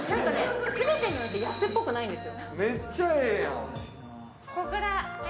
全てにおいて安っぽくないんですよ。